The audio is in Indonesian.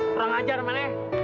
perang aja remen